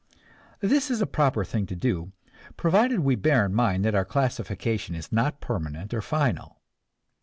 This is a proper thing to do, provided we bear in mind that our classification is not permanent or final.